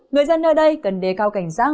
người dân nơi đây cần đề cao cảnh giác